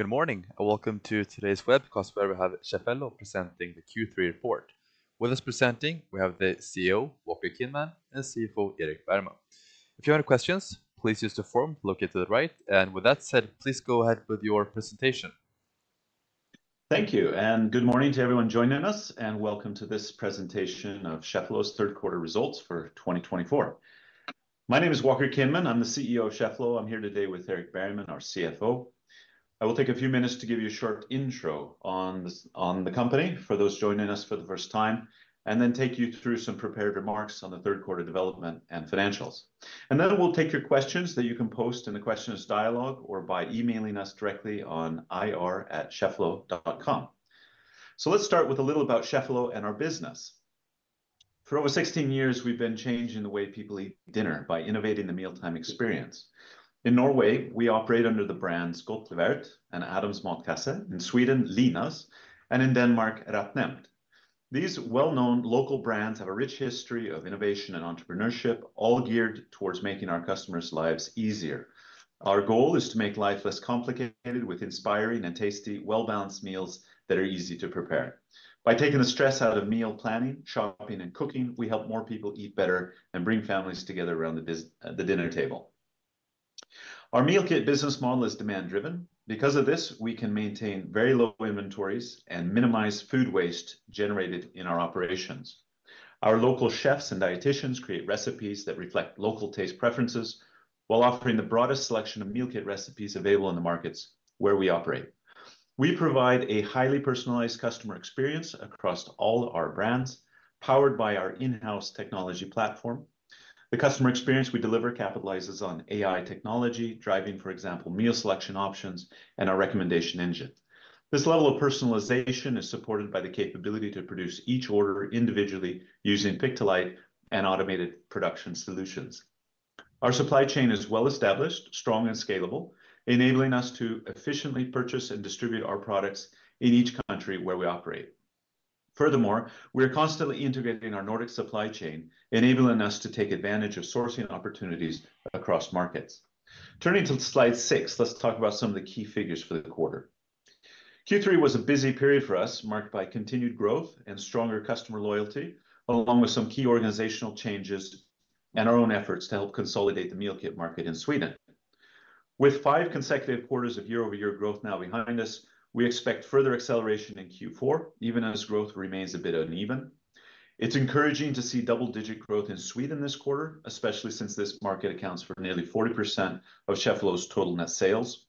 Good morning and welcome to today's webcast, where we have Cheffelo presenting the Q3 report. With us presenting, we have the CEO, Walker Kinman, and CFO, Erik Bergman. If you have any questions, please use the form located to the right, and with that said, please go ahead with your presentation. Thank you, and good morning to everyone joining us, and welcome to this presentation of Cheffelo's third quarter results for 2024. My name is Walker Kinman. I'm the CEO of Cheffelo. I'm here today with Erik Bergman, our CFO. I will take a few minutes to give you a short intro on the company for those joining us for the first time, and then take you through some prepared remarks on the third quarter development and financials, and then we'll take your questions that you can post in the questions dialogue or by emailing us directly on ir@cheffelo.com, so let's start with a little about Cheffelo and our business. For over 16 years, we've been changing the way people eat dinner by innovating the mealtime experience. In Norway, we operate under the brands Godtlevert and Adams Matkasse, in Sweden, Linas Matkasse, and in Denmark, RetNemt. These well-known local brands have a rich history of innovation and entrepreneurship, all geared towards making our customers' lives easier. Our goal is to make life less complicated with inspiring and tasty, well-balanced meals that are easy to prepare. By taking the stress out of meal planning, shopping, and cooking, we help more people eat better and bring families together around the dinner table. Our meal kit business model is demand-driven. Because of this, we can maintain very low inventories and minimize food waste generated in our operations. Our local chefs and dietitians create recipes that reflect local taste preferences while offering the broadest selection of meal kit recipes available in the markets where we operate. We provide a highly personalized customer experience across all our brands, powered by our in-house technology platform. The customer experience we deliver capitalizes on AI technology, driving, for example, meal selection options and our recommendation engine. This level of personalization is supported by the capability to produce each order individually using pick-to-light and automated production solutions. Our supply chain is well established, strong, and scalable, enabling us to efficiently purchase and distribute our products in each country where we operate. Furthermore, we are constantly integrating our Nordic supply chain, enabling us to take advantage of sourcing opportunities across markets. Turning to slide six, let's talk about some of the key figures for the quarter. Q3 was a busy period for us, marked by continued growth and stronger customer loyalty, along with some key organizational changes and our own efforts to help consolidate the meal kit market in Sweden. With five consecutive quarters of year-over-year growth now behind us, we expect further acceleration in Q4, even as growth remains a bit uneven. It's encouraging to see double-digit growth in Sweden this quarter, especially since this market accounts for nearly 40% of Cheffelo's total net sales.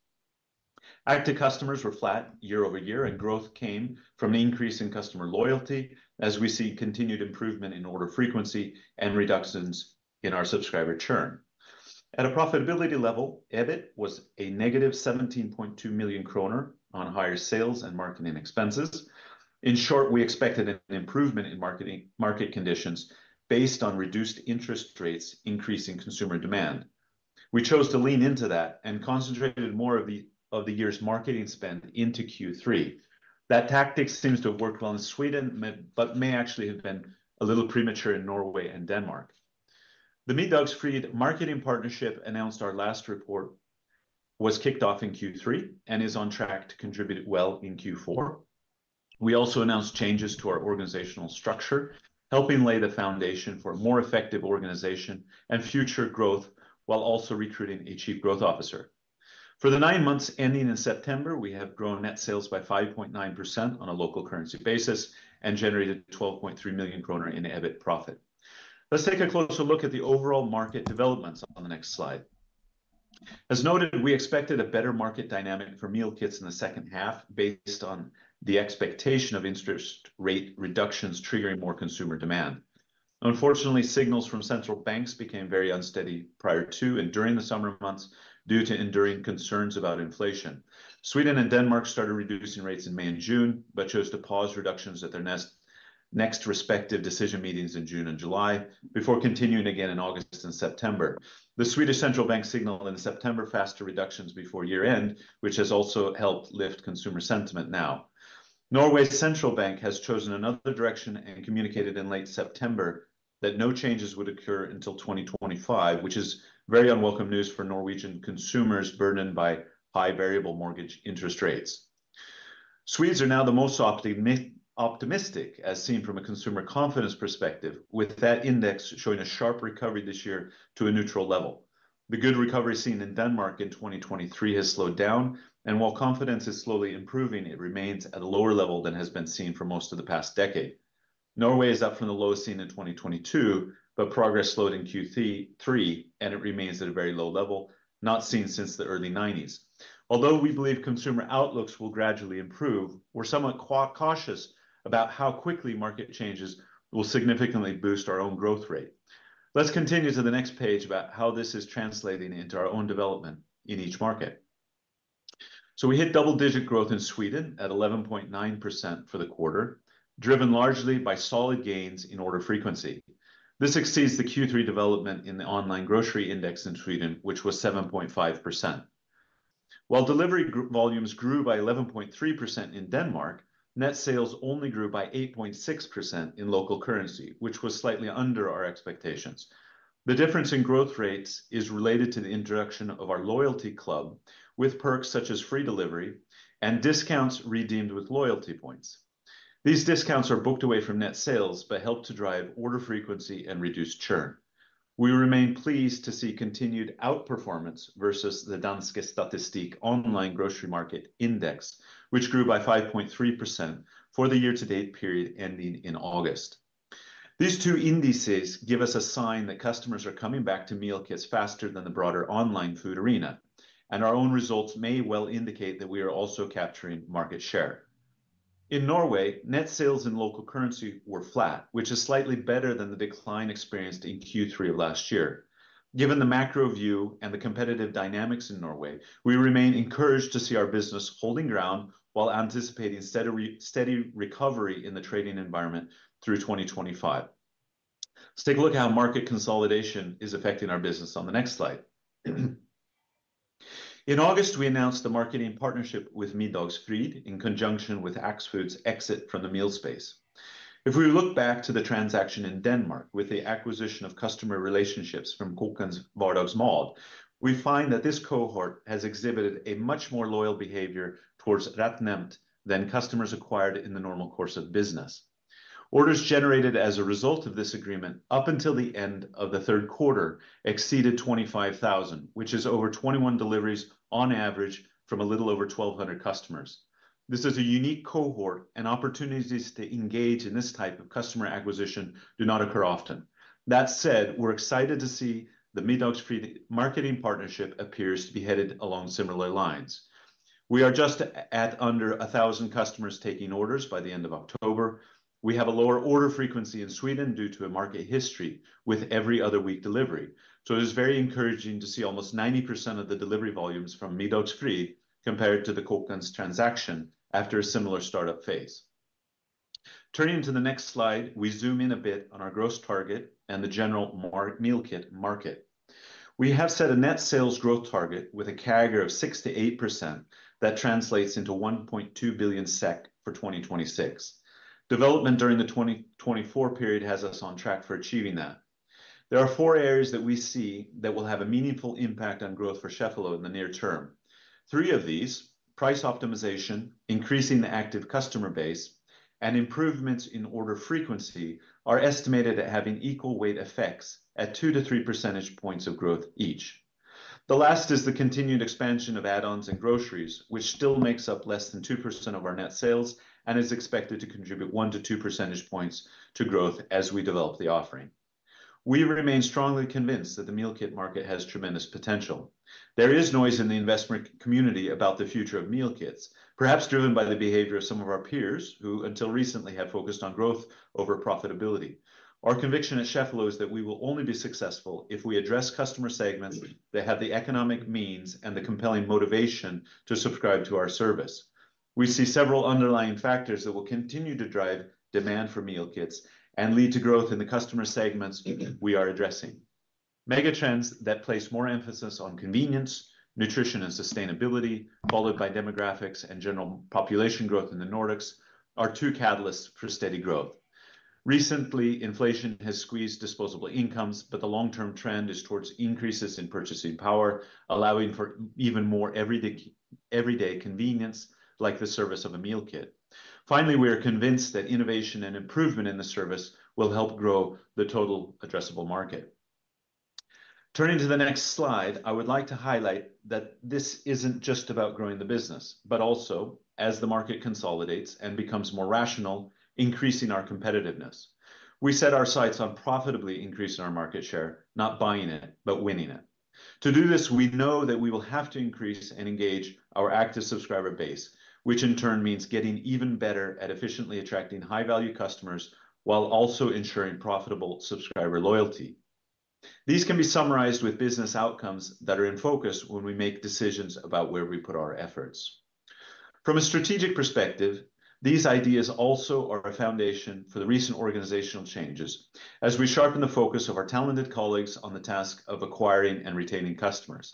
Active customers were flat year-over-year, and growth came from an increase in customer loyalty as we see continued improvement in order frequency and reductions in our subscriber churn. At a profitability level, EBIT was -17.2 million kronor on higher sales and marketing expenses. In short, we expected an improvement in market conditions based on reduced interest rates increasing consumer demand. We chose to lean into that and concentrated more of the year's marketing spend into Q3. That tactic seems to have worked well in Sweden but may actually have been a little premature in Norway and Denmark. The Middagsfrid marketing partnership, announced in our last report, was kicked off in Q3 and is on track to contribute well in Q4. We also announced changes to our organizational structure, helping lay the foundation for more effective organization and future growth while also recruiting a Chief Growth Officer. For the nine months ending in September, we have grown net sales by 5.9% on a local currency basis and generated 12.3 million kronor in EBIT profit. Let's take a closer look at the overall market developments on the next slide. As noted, we expected a better market dynamic for meal kits in the second half based on the expectation of interest rate reductions triggering more consumer demand. Unfortunately, signals from central banks became very unsteady prior to and during the summer months due to enduring concerns about inflation. Sweden and Denmark started reducing rates in May and June but chose to pause reductions at their next respective decision meetings in June and July before continuing again in August and September. The Swedish central bank signaled in September faster reductions before year-end, which has also helped lift consumer sentiment now. Norway's central bank has chosen another direction and communicated in late September that no changes would occur until 2025, which is very unwelcome news for Norwegian consumers burdened by high variable mortgage interest rates. Swedes are now the most optimistic, as seen from a consumer confidence perspective, with that index showing a sharp recovery this year to a neutral level. The good recovery seen in Denmark in 2023 has slowed down, and while confidence is slowly improving, it remains at a lower level than has been seen for most of the past decade. Norway is up from the lowest seen in 2022, but progress slowed in Q3, and it remains at a very low level not seen since the early 1990s. Although we believe consumer outlooks will gradually improve, we're somewhat cautious about how quickly market changes will significantly boost our own growth rate. Let's continue to the next page about how this is translating into our own development in each market. So we hit double-digit growth in Sweden at 11.9% for the quarter, driven largely by solid gains in order frequency. This exceeds the Q3 development in the online grocery index in Sweden, which was 7.5%. While delivery volumes grew by 11.3% in Denmark, net sales only grew by 8.6% in local currency, which was slightly under our expectations. The difference in growth rates is related to the introduction of our loyalty club, with perks such as free delivery and discounts redeemed with loyalty points. These discounts are booked away from net sales but help to drive order frequency and reduce churn. We remain pleased to see continued outperformance versus the Danske Statistik online grocery market index, which grew by 5.3% for the year-to-date period ending in August. These two indices give us a sign that customers are coming back to meal kits faster than the broader online food arena, and our own results may well indicate that we are also capturing market share. In Norway, net sales in local currency were flat, which is slightly better than the decline experienced in Q3 of last year. Given the macro view and the competitive dynamics in Norway, we remain encouraged to see our business holding ground while anticipating steady recovery in the trading environment through 2025. Let's take a look at how market consolidation is affecting our business on the next slide. In August, we announced the marketing partnership with Middagsfrid in conjunction with Axfood's exit from the meal space. If we look back to the transaction in Denmark with the acquisition of customer relationships from Kokkens Hverdagsmad, we find that this cohort has exhibited a much more loyal behavior towards RetNemt than customers acquired in the normal course of business. Orders generated as a result of this agreement up until the end of the third quarter exceeded 25,000, which is over 21 deliveries on average from a little over 1,200 customers. This is a unique cohort, and opportunities to engage in this type of customer acquisition do not occur often. That said, we're excited to see the Middagsfrid marketing partnership appears to be headed along similar lines. We are just under 1,000 customers taking orders by the end of October. We have a lower order frequency in Sweden due to a market history with every other week delivery. So it is very encouraging to see almost 90% of the delivery volumes from Middagsfrid compared to the Kokkens transaction after a similar startup phase. Turning to the next slide, we zoom in a bit on our growth target and the general meal kit market. We have set a net sales growth target with a CAGR of 6%-8% that translates into 1.2 billion SEK for 2026. Development during the 2024 period has us on track for achieving that. There are four areas that we see that will have a meaningful impact on growth for Cheffelo in the near term. Three of these, price optimization, increasing the active customer base, and improvements in order frequency, are estimated at having equal weight effects at 2-3 percentage points of growth each. The last is the continued expansion of add-ons and groceries, which still makes up less than 2% of our net sales and is expected to contribute 1-2 percentage points to growth as we develop the offering. We remain strongly convinced that the meal kit market has tremendous potential. There is noise in the investment community about the future of meal kits, perhaps driven by the behavior of some of our peers who until recently had focused on growth over profitability. Our conviction at Cheffelo is that we will only be successful if we address customer segments that have the economic means and the compelling motivation to subscribe to our service. We see several underlying factors that will continue to drive demand for meal kits and lead to growth in the customer segments we are addressing. Megatrends that place more emphasis on convenience, nutrition, and sustainability, followed by demographics and general population growth in the Nordics, are two catalysts for steady growth. Recently, inflation has squeezed disposable incomes, but the long-term trend is towards increases in purchasing power, allowing for even more everyday convenience like the service of a meal kit. Finally, we are convinced that innovation and improvement in the service will help grow the total addressable market. Turning to the next slide, I would like to highlight that this isn't just about growing the business, but also, as the market consolidates and becomes more rational, increasing our competitiveness. We set our sights on profitably increasing our market share, not buying it, but winning it. To do this, we know that we will have to increase and engage our active subscriber base, which in turn means getting even better at efficiently attracting high-value customers while also ensuring profitable subscriber loyalty. These can be summarized with business outcomes that are in focus when we make decisions about where we put our efforts. From a strategic perspective, these ideas also are a foundation for the recent organizational changes as we sharpen the focus of our talented colleagues on the task of acquiring and retaining customers.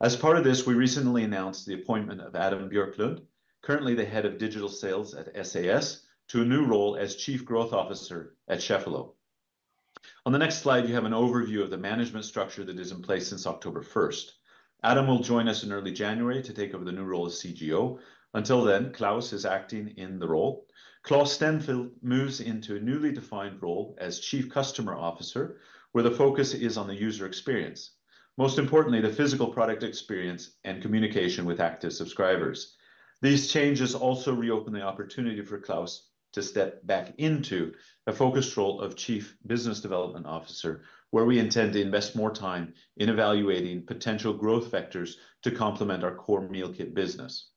As part of this, we recently announced the appointment of Adam Bjørklund, currently the head of digital sales at SAS, to a new role as Chief Growth Officer at Cheffelo. On the next slide, you have an overview of the management structure that is in place since October 1st. Adam will join us in early January to take over the new role as CGO. Until then, Klaus is acting in the role. Klaus Toft Nørgaard moves into a newly defined role as Chief Customer Officer, where the focus is on the user experience. Most importantly, the physical product experience and communication with active subscribers. These changes also reopen the opportunity for Klaus to step back into a focused role of Chief Business Development Officer, where we intend to invest more time in evaluating potential growth factors to complement our core meal kit business.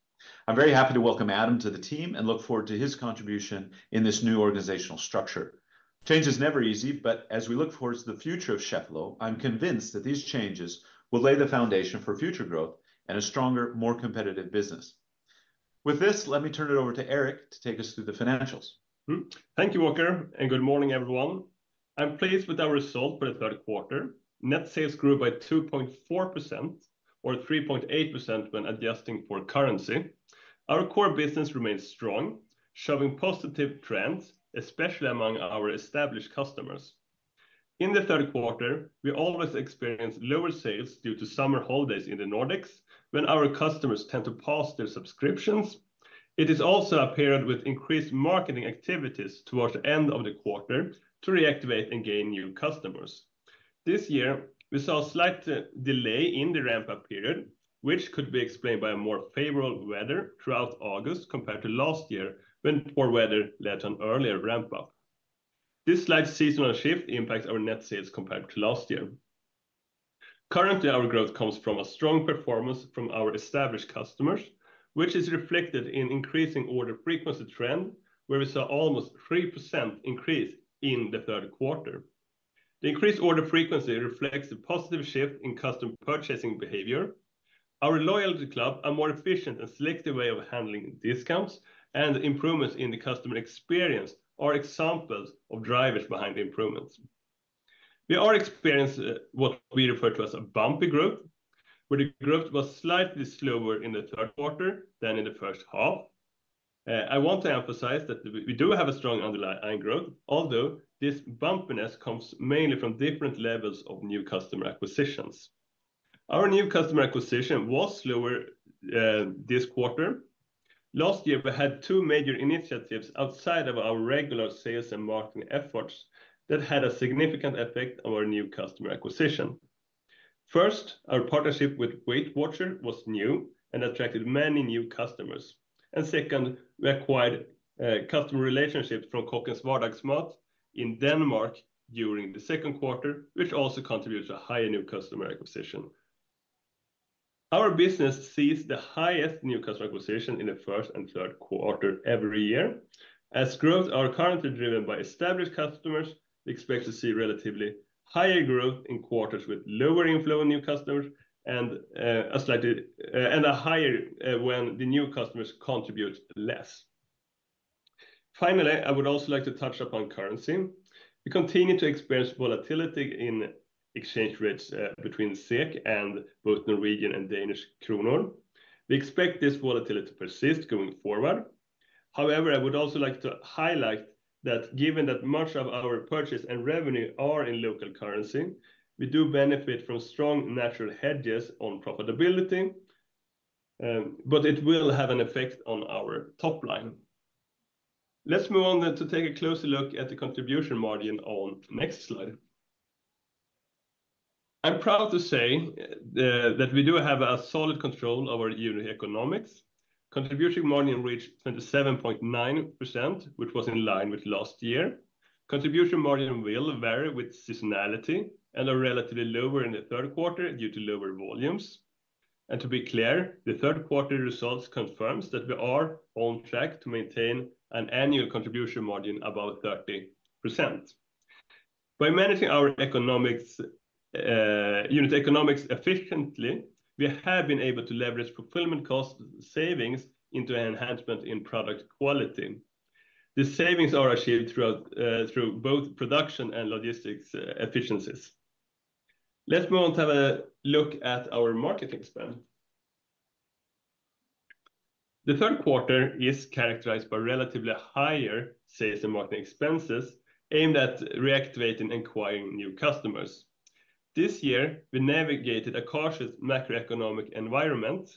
I'm very happy to welcome Adam to the team and look forward to his contribution in this new organizational structure. Change is never easy, but as we look forward to the future of Cheffelo, I'm convinced that these changes will lay the foundation for future growth and a stronger, more competitive business. With this, let me turn it over to Erik to take us through the financials. Thank you, Walker, and good morning, everyone. I'm pleased with our result for the third quarter. Net sales grew by 2.4% or 3.8% when adjusting for currency. Our core business remains strong, showing positive trends, especially among our established customers. In the third quarter, we always experience lower sales due to summer holidays in the Nordics, when our customers tend to pause their subscriptions. It has also appeared with increased marketing activities towards the end of the quarter to reactivate and gain new customers. This year, we saw a slight delay in the ramp-up period, which could be explained by more favorable weather throughout August compared to last year, when poor weather led to an earlier ramp-up. This slight seasonal shift impacts our net sales compared to last year. Currently, our growth comes from a strong performance from our established customers, which is reflected in an increasing order frequency trend, where we saw almost a 3% increase in the third quarter. The increased order frequency reflects a positive shift in customer purchasing behavior. Our loyalty club, a more efficient and selective way of handling discounts and improvements in the customer experience, are examples of drivers behind the improvements. We are experiencing what we refer to as a bumpy growth, where the growth was slightly slower in the third quarter than in the first half. I want to emphasize that we do have a strong underlying growth, although this bumpiness comes mainly from different levels of new customer acquisitions. Our new customer acquisition was slower this quarter. Last year, we had two major initiatives outside of our regular sales and marketing efforts that had a significant effect on our new customer acquisition. First, our partnership with WeightWatchers was new and attracted many new customers. And second, we acquired customer relationships from Kokkens Hverdagsmad in Denmark during the second quarter, which also contributed to a higher new customer acquisition. Our business sees the highest new customer acquisition in the first and third quarter every year. As growths are currently driven by established customers, we expect to see relatively higher growth in quarters with lower inflow of new customers and a slightly higher when the new customers contribute less. Finally, I would also like to touch upon currency. We continue to experience volatility in exchange rates between SEK and both Norwegian and Danish kroner. We expect this volatility to persist going forward. However, I would also like to highlight that given that much of our purchase and revenue are in local currency, we do benefit from strong natural hedges on profitability, but it will have an effect on our top line. Let's move on to take a closer look at the contribution margin on the next slide. I'm proud to say that we do have a solid control of our unit economics. Contribution margin reached 27.9%, which was in line with last year. Contribution margin will vary with seasonality and are relatively lower in the third quarter due to lower volumes. And to be clear, the third quarter results confirms that we are on track to maintain an annual contribution margin above 30%. By managing our unit economics efficiently, we have been able to leverage fulfillment cost savings into an enhancement in product quality. The savings are achieved through both production and logistics efficiencies. Let's move on to have a look at our marketing spend. The third quarter is characterized by relatively higher sales and marketing expenses aimed at reactivating and acquiring new customers. This year, we navigated a cautious macroeconomic environment.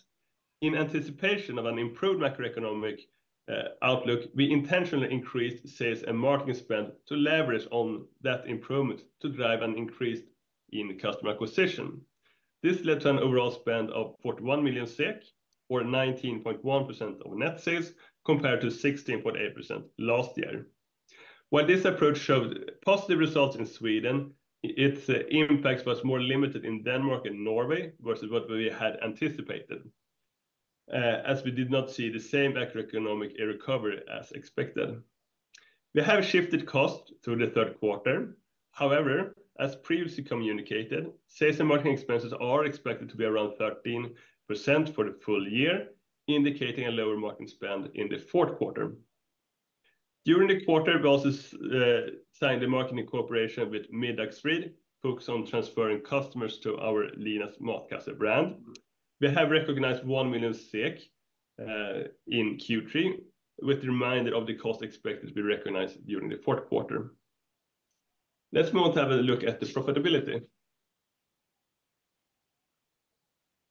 In anticipation of an improved macroeconomic outlook, we intentionally increased sales and marketing spend to leverage on that improvement to drive an increase in customer acquisition. This led to an overall spend of 41 million SEK, or 19.1% of net sales, compared to 16.8% last year. While this approach showed positive results in Sweden, its impact was more limited in Denmark and Norway versus what we had anticipated, as we did not see the same macroeconomic recovery as expected. We have shifted costs through the third quarter. However, as previously communicated, sales and marketing expenses are expected to be around 13% for the full year, indicating a lower marketing spend in the fourth quarter. During the quarter, we also signed a marketing cooperation with Middagsfrid, focused on transferring customers to our Linas Matkasse brand. We have recognized 1 million SEK in Q3, with the remainder of the cost expected to be recognized during the fourth quarter. Let's move on to have a look at the profitability.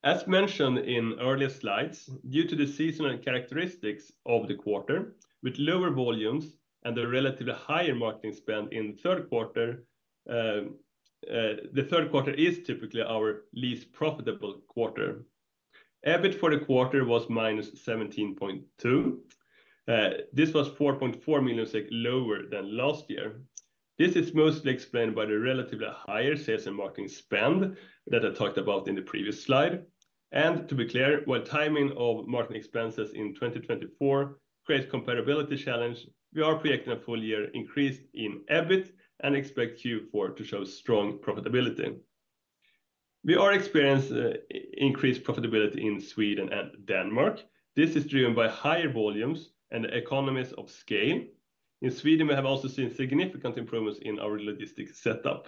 As mentioned in earlier slides, due to the seasonal characteristics of the quarter, with lower volumes and the relatively higher marketing spend in the third quarter, the third quarter is typically our least profitable quarter. EBIT for the quarter was minus 17.2. This was 4.4 million lower than last year. This is mostly explained by the relatively higher sales and marketing spend that I talked about in the previous slide. And to be clear, while timing of marketing expenses in 2024 creates a compatibility challenge, we are projecting a full-year increase in EBIT and expect Q4 to show strong profitability. We are experiencing increased profitability in Sweden and Denmark. This is driven by higher volumes and the economies of scale. In Sweden, we have also seen significant improvements in our logistics setup.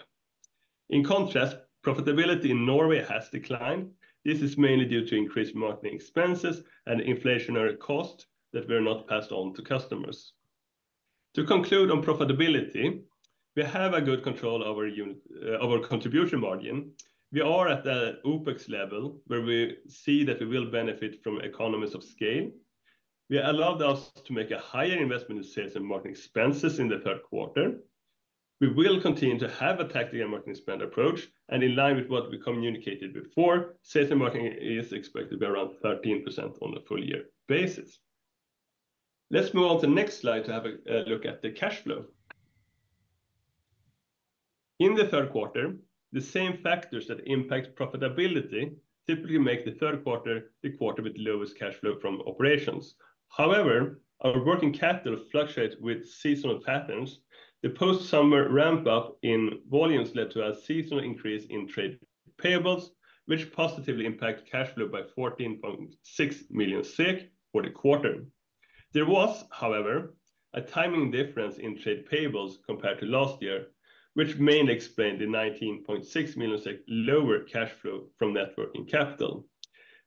In contrast, profitability in Norway has declined. This is mainly due to increased marketing expenses and inflationary costs that were not passed on to customers. To conclude on profitability, we have a good control over our contribution margin. We are at the OpEx level, where we see that we will benefit from economies of scale. We allowed us to make a higher investment in sales and marketing expenses in the third quarter. We will continue to have a tactical marketing spend approach, and in line with what we communicated before, sales and marketing is expected to be around 13% on a full-year basis. Let's move on to the next slide to have a look at the cash flow. In the third quarter, the same factors that impact profitability typically make the third quarter the quarter with the lowest cash flow from operations. However, our working capital fluctuates with seasonal patterns. The post-summer ramp-up in volumes led to a seasonal increase in trade payables, which positively impacted cash flow by 14.6 million SEK for the quarter. There was, however, a timing difference in trade payables compared to last year, which mainly explained the 19.6 million lower cash flow from working capital.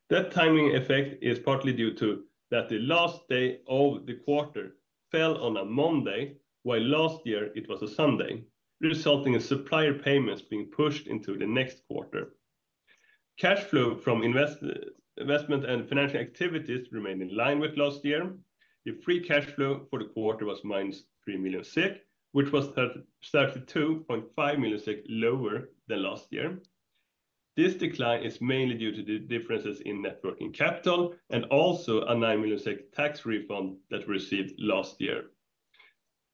That timing effect is partly due to the fact that the last day of the quarter fell on a Monday, while last year it was a Sunday, resulting in supplier payments being pushed into the next quarter. Cash flow from investment and financial activities remained in line with last year. The free cash flow for the quarter was -3 million SEK, which was 32.5 million SEK lower than last year. This decline is mainly due to the differences in working capital and also a 9 million tax refund that we received last year.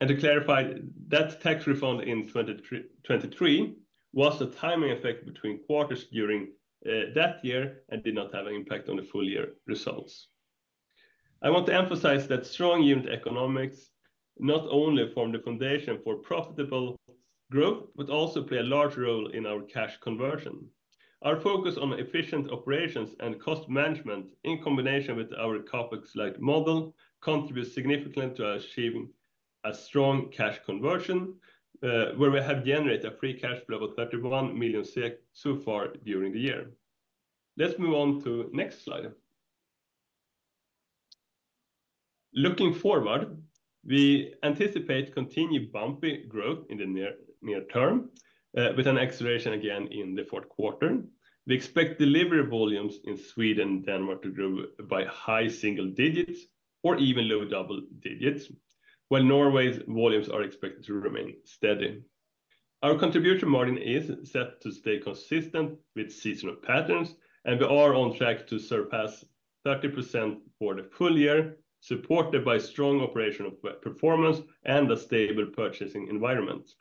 To clarify, that tax refund in 2023 was a timing effect between quarters during that year and did not have an impact on the full-year results. I want to emphasize that strong unit economics not only form the foundation for profitable growth, but also play a large role in our cash conversion. Our focus on efficient operations and cost management in combination with our CapEx-like model contributes significantly to achieving a strong cash conversion, where we have generated a free cash flow of 31 million SEK so far during the year. Let's move on to the next slide. Looking forward, we anticipate continued bumpy growth in the near term with an acceleration again in the fourth quarter. We expect delivery volumes in Sweden and Denmark to grow by high single digits or even low double digits, while Norway's volumes are expected to remain steady. Our contribution margin is set to stay consistent with seasonal patterns, and we are on track to surpass 30% for the full year, supported by strong operational performance and a stable purchasing environment.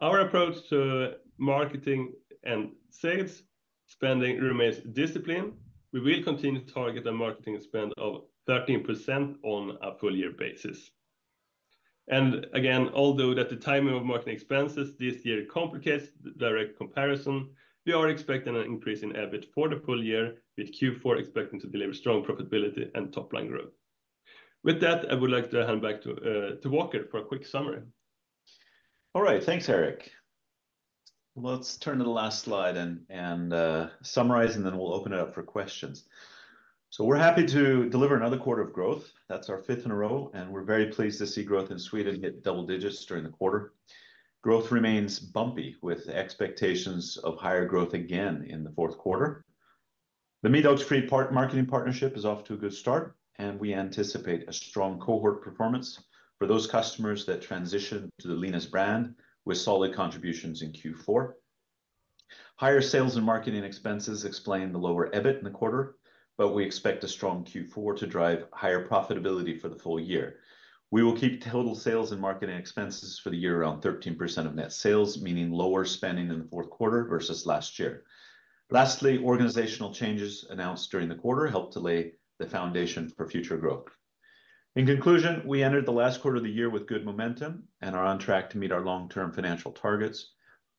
Our approach to marketing and sales spending remains disciplined. We will continue to target a marketing spend of 13% on a full-year basis, and again, although the timing of marketing expenses this year complicates the direct comparison, we are expecting an increase in EBIT for the full year, with Q4 expecting to deliver strong profitability and top-line growth. With that, I would like to hand back to Walker for a quick summary. All right, thanks, Erik. Let's turn to the last slide and summarize, and then we'll open it up for questions, so we're happy to deliver another quarter of growth. That's our fifth in a row, and we're very pleased to see growth in Sweden hit double digits during the quarter. Growth remains bumpy, with expectations of higher growth again in the fourth quarter. The Middagsfrid marketing partnership is off to a good start, and we anticipate a strong cohort performance for those customers that transitioned to the Linas brand with solid contributions in Q4. Higher sales and marketing expenses explain the lower EBIT in the quarter, but we expect a strong Q4 to drive higher profitability for the full year. We will keep total sales and marketing expenses for the year around 13% of net sales, meaning lower spending in the fourth quarter versus last year. Lastly, organizational changes announced during the quarter helped to lay the foundation for future growth. In conclusion, we entered the last quarter of the year with good momentum and are on track to meet our long-term financial targets.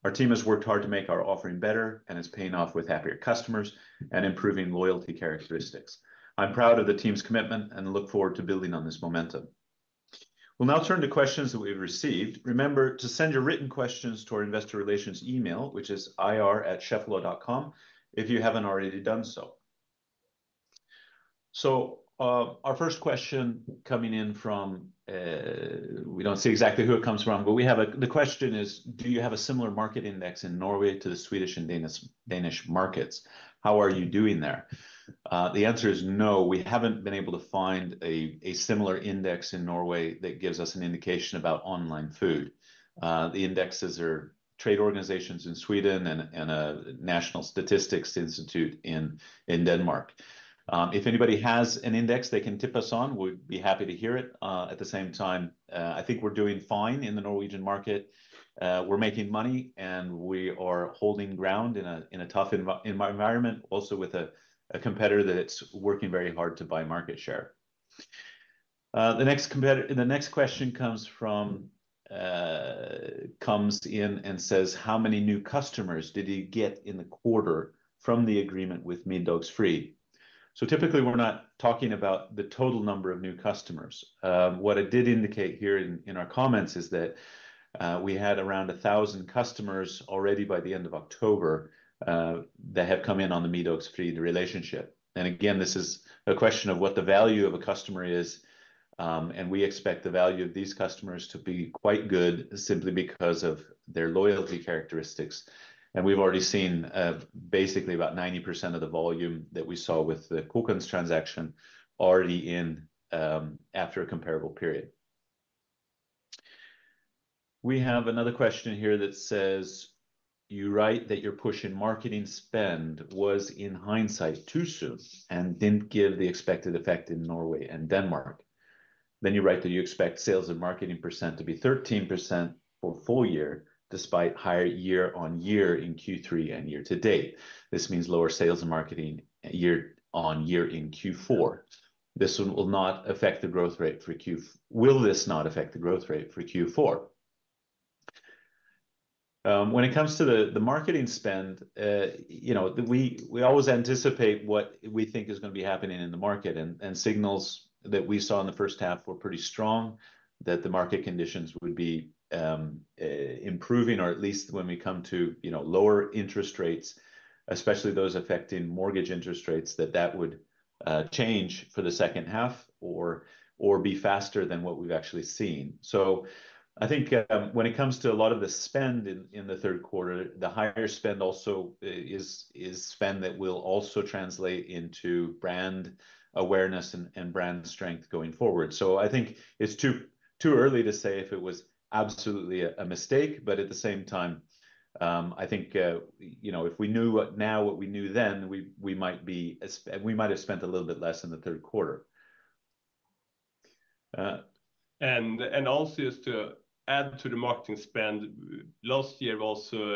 Our team has worked hard to make our offering better and is paying off with happier customers and improving loyalty characteristics. I'm proud of the team's commitment and look forward to building on this momentum. We'll now turn to questions that we've received. Remember to send your written questions to our investor relations email, which is ir@cheffelo.com, if you haven't already done so. So our first question coming in from, we don't see exactly who it comes from, but we have the question is, do you have a similar market index in Norway to the Swedish and Danish markets? How are you doing there? The answer is no. We haven't been able to find a similar index in Norway that gives us an indication about online food. The indexes are trade organizations in Sweden and a National Statistics Institute in Denmark. If anybody has an index they can tip us on, we'd be happy to hear it. At the same time, I think we're doing fine in the Norwegian market. We're making money, and we are holding ground in a tough environment, also with a competitor that's working very hard to buy market share. The next question comes in and says, how many new customers did you get in the quarter from the agreement with Middagsfrid? So typically, we're not talking about the total number of new customers. What it did indicate here in our comments is that we had around 1,000 customers already by the end of October that have come in on the Middagsfrid relationship. Again, this is a question of what the value of a customer is, and we expect the value of these customers to be quite good simply because of their loyalty characteristics. We've already seen basically about 90% of the volume that we saw with the Kokkens transaction already in after a comparable period. We have another question here that says, you write that your push in marketing spend was, in hindsight, too soon and didn't give the expected effect in Norway and Denmark. Then you write that you expect sales and marketing % to be 13% for full year despite higher year-on-year in Q3 and year-to-date. This means lower sales and marketing year-on-year in Q4. This will not affect the growth rate for Q4. Will this not affect the growth rate for Q4? When it comes to the marketing spend, we always anticipate what we think is going to be happening in the market, and signals that we saw in the first half were pretty strong that the market conditions would be improving, or at least when we come to lower interest rates, especially those affecting mortgage interest rates, that that would change for the second half or be faster than what we've actually seen. So I think when it comes to a lot of the spend in the third quarter, the higher spend also is spend that will also translate into brand awareness and brand strength going forward. So I think it's too early to say if it was absolutely a mistake, but at the same time, I think if we knew now what we knew then, we might have spent a little bit less in the third quarter. And also, just to add to the marketing spend, last year we also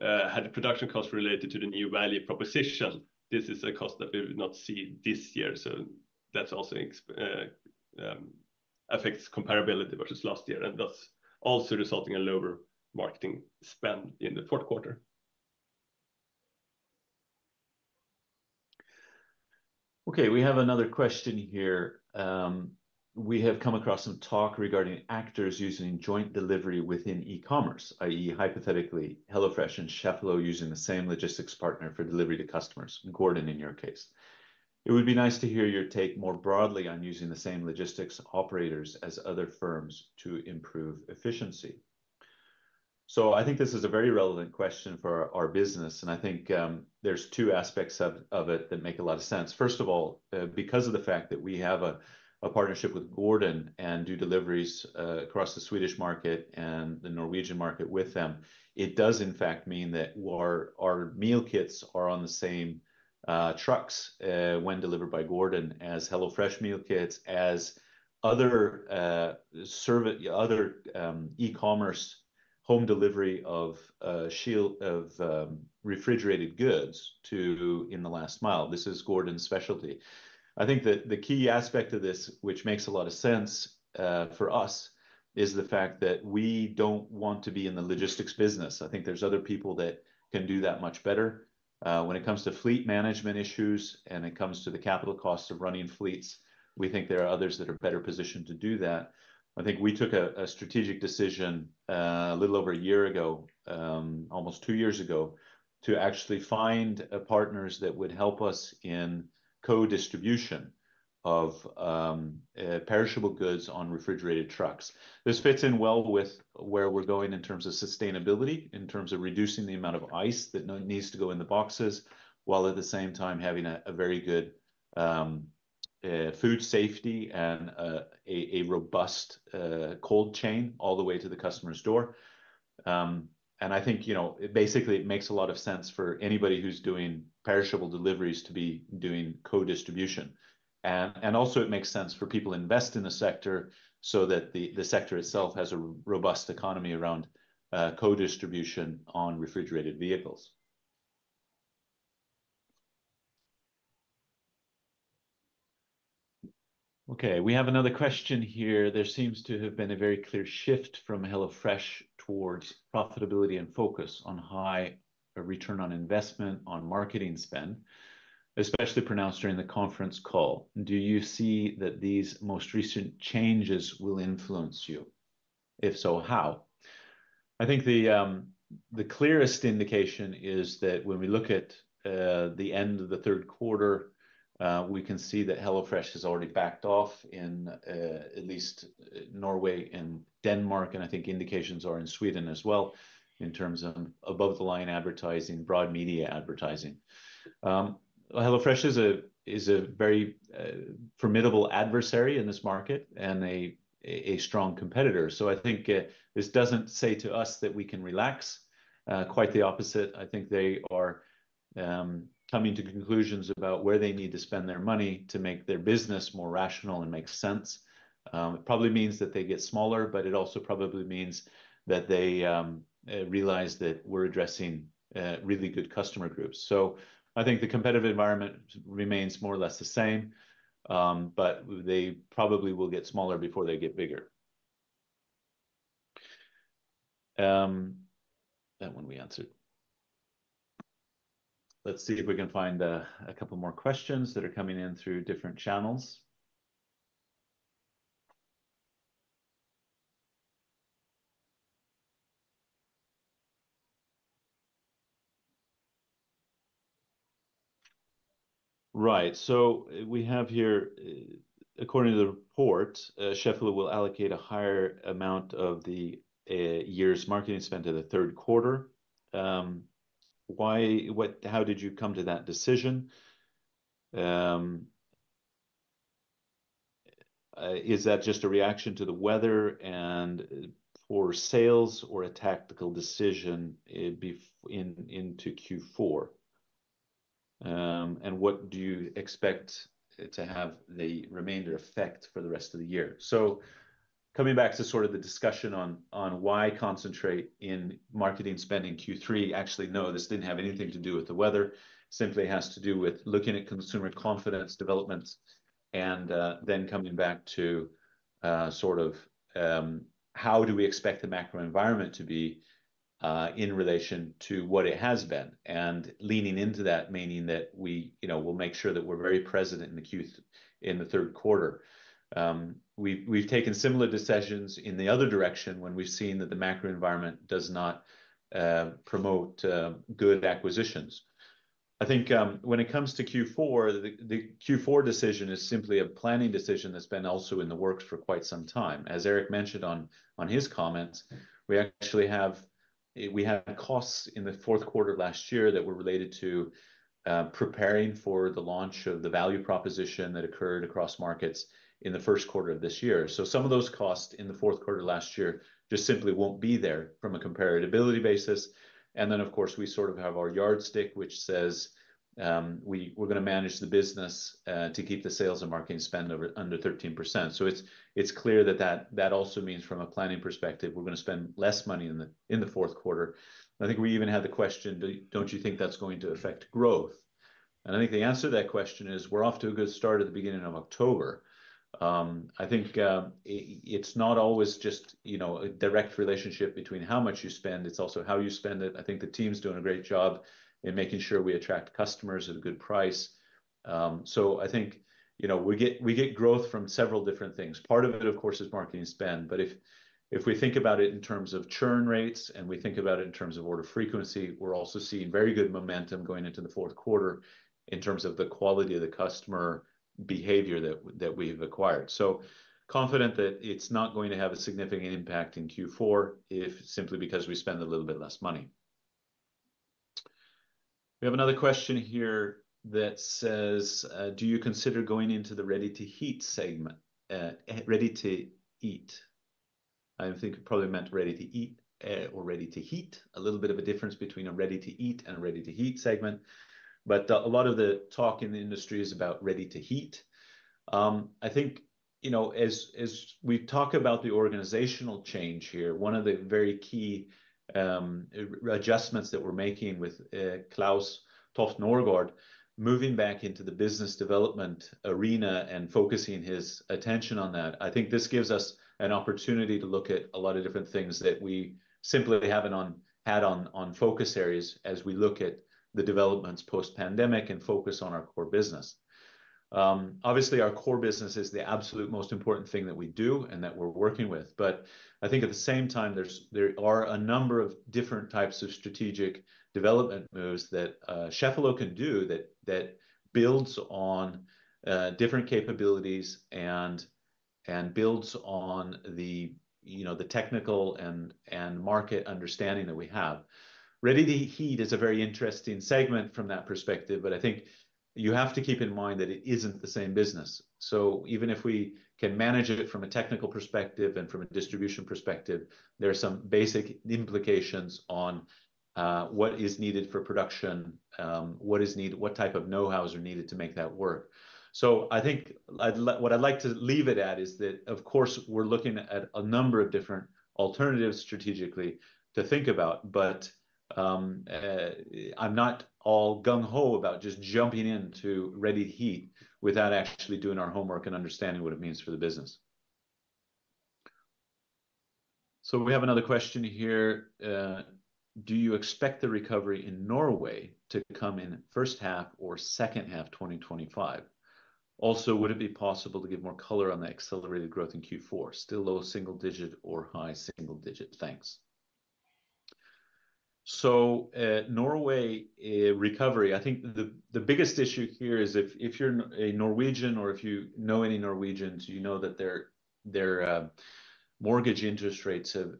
had production costs related to the new value proposition. This is a cost that we would not see this year. So that also affects comparability versus last year, and that's also resulting in lower marketing spend in the fourth quarter. Okay, we have another question here. We have come across some talk regarding actors using joint delivery within e-commerce, i.e., hypothetically, HelloFresh and Cheffelo using the same logistics partner for delivery to customers, Gordon in your case. It would be nice to hear your take more broadly on using the same logistics operators as other firms to improve efficiency. So I think this is a very relevant question for our business, and I think there's two aspects of it that make a lot of sense. First of all, because of the fact that we have a partnership with Gordon and do deliveries across the Swedish market and the Norwegian market with them, it does, in fact, mean that our meal kits are on the same trucks when delivered by Gordon as HelloFresh meal kits, as other e-commerce home delivery of refrigerated goods in the last mile. This is Gordon's specialty. I think that the key aspect of this, which makes a lot of sense for us, is the fact that we don't want to be in the logistics business. I think there's other people that can do that much better. When it comes to fleet management issues and it comes to the capital costs of running fleets, we think there are others that are better positioned to do that. I think we took a strategic decision a little over a year ago, almost two years ago, to actually find partners that would help us in co-distribution of perishable goods on refrigerated trucks. This fits in well with where we're going in terms of sustainability, in terms of reducing the amount of ice that needs to go in the boxes, while at the same time having a very good food safety and a robust cold chain all the way to the customer's door. And I think basically it makes a lot of sense for anybody who's doing perishable deliveries to be doing co-distribution. And also, it makes sense for people to invest in the sector so that the sector itself has a robust economy around co-distribution on refrigerated vehicles. Okay, we have another question here. There seems to have been a very clear shift from HelloFresh towards profitability and focus on high return on investment on marketing spend, especially pronounced during the conference call. Do you see that these most recent changes will influence you? If so, how? I think the clearest indication is that when we look at the end of the third quarter, we can see that HelloFresh has already backed off in at least Norway and Denmark, and I think indications are in Sweden as well in terms of above-the-line advertising, broad media advertising. HelloFresh is a very formidable adversary in this market and a strong competitor. So I think this doesn't say to us that we can relax. Quite the opposite. I think they are coming to conclusions about where they need to spend their money to make their business more rational and make sense. It probably means that they get smaller, but it also probably means that they realize that we're addressing really good customer groups. So I think the competitive environment remains more or less the same, but they probably will get smaller before they get bigger. That one we answered. Let's see if we can find a couple more questions that are coming in through different channels. Right, so we have here, according to the report, Cheffelo will allocate a higher amount of the year's marketing spend to the third quarter. How did you come to that decision? Is that just a reaction to the weather and for sales or a tactical decision into Q4? And what do you expect to have the remainder effect for the rest of the year? So, coming back to sort of the discussion on why concentrate in marketing spend in Q3, actually, no, this didn't have anything to do with the weather. Simply has to do with looking at consumer confidence development and then coming back to sort of how do we expect the macro environment to be in relation to what it has been. And leaning into that meaning that we will make sure that we're very present in the third quarter. We've taken similar decisions in the other direction when we've seen that the macro environment does not promote good acquisitions. I think when it comes to Q4, the Q4 decision is simply a planning decision that's been also in the works for quite some time. As Erik mentioned on his comments, we actually have costs in the fourth quarter last year that were related to preparing for the launch of the value proposition that occurred across markets in the first quarter of this year. So some of those costs in the fourth quarter last year just simply won't be there from a comparability basis. And then, of course, we sort of have our yardstick, which says we're going to manage the business to keep the sales and marketing spend under 13%. So it's clear that that also means from a planning perspective, we're going to spend less money in the fourth quarter. I think we even had the question, don't you think that's going to affect growth? And I think the answer to that question is we're off to a good start at the beginning of October. I think it's not always just a direct relationship between how much you spend. It's also how you spend it. I think the team's doing a great job in making sure we attract customers at a good price. So I think we get growth from several different things. Part of it, of course, is marketing spend, but if we think about it in terms of churn rates and we think about it in terms of order frequency, we're also seeing very good momentum going into the fourth quarter in terms of the quality of the customer behavior that we've acquired. So confident that it's not going to have a significant impact in Q4 if simply because we spend a little bit less money. We have another question here that says, do you consider going into the ready-to-heat segment, ready-to-eat? I think it probably meant ready-to-eat or ready-to-heat. A little bit of a difference between a ready-to-eat and a ready-to-heat segment, but a lot of the talk in the industry is about ready-to-heat. I think as we talk about the organizational change here, one of the very key adjustments that we're making with Klaus Toft Nørgaard, moving back into the business development arena and focusing his attention on that, I think this gives us an opportunity to look at a lot of different things that we simply haven't had on focus areas as we look at the developments post-pandemic and focus on our core business. Obviously, our core business is the absolute most important thing that we do and that we're working with, but I think at the same time, there are a number of different types of strategic development moves that Cheffelo can do that builds on different capabilities and builds on the technical and market understanding that we have. Ready-to-heat is a very interesting segment from that perspective, but I think you have to keep in mind that it isn't the same business. So even if we can manage it from a technical perspective and from a distribution perspective, there are some basic implications on what is needed for production, what type of know-hows are needed to make that work. So I think what I'd like to leave it at is that, of course, we're looking at a number of different alternatives strategically to think about, but I'm not all gung-ho about just jumping into ready-to-heat without actually doing our homework and understanding what it means for the business. So we have another question here. Do you expect the recovery in Norway to come in first half or second half 2025? Also, would it be possible to give more color on the accelerated growth in Q4? Still low single digit or high single digit? Thanks. So Norway recovery, I think the biggest issue here is if you're a Norwegian or if you know any Norwegians, you know that their mortgage interest rates have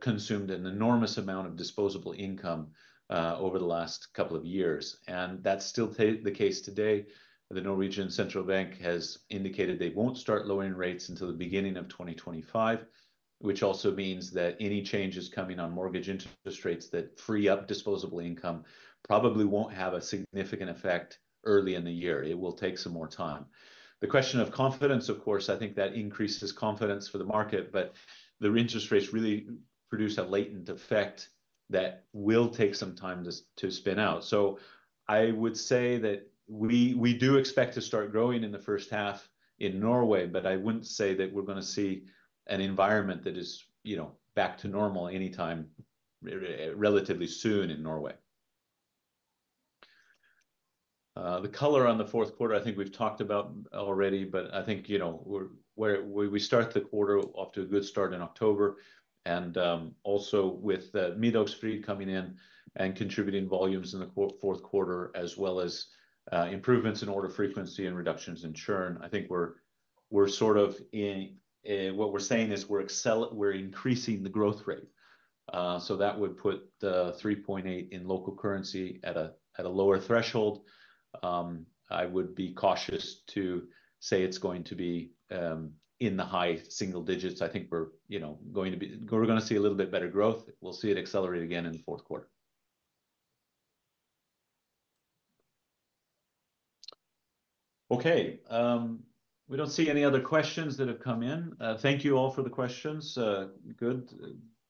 consumed an enormous amount of disposable income over the last couple of years. And that's still the case today. The Norwegian central bank has indicated they won't start lowering rates until the beginning of 2025, which also means that any changes coming on mortgage interest rates that free up disposable income probably won't have a significant effect early in the year. It will take some more time. The question of confidence, of course, I think that increases confidence for the market, but the interest rates really produce a latent effect that will take some time to spin out. So I would say that we do expect to start growing in the first half in Norway, but I wouldn't say that we're going to see an environment that is back to normal anytime relatively soon in Norway. The color on the fourth quarter, I think we've talked about already, but I think we start the quarter off to a good start in October. Also with Middagsfrid coming in and contributing volumes in the fourth quarter, as well as improvements in order frequency and reductions in churn, I think we're sort of in what we're saying is we're increasing the growth rate. So that would put the 3.8 in local currency at a lower threshold. I would be cautious to say it's going to be in the high single digits. I think we're going to see a little bit better growth. We'll see it accelerate again in the fourth quarter. Okay. We don't see any other questions that have come in. Thank you all for the questions. Good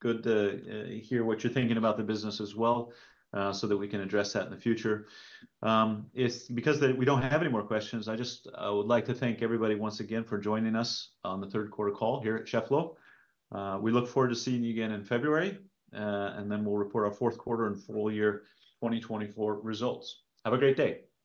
to hear what you're thinking about the business as well so that we can address that in the future. Because we don't have any more questions, I just would like to thank everybody once again for joining us on the third quarter call here at Cheffelo. We look forward to seeing you again in February, and then we'll report our fourth quarter and full year 2024 results. Have a great day.